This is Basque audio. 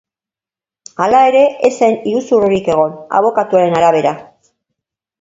Hala ere, ez zen iruzurrik egon, abokatuaren arabera.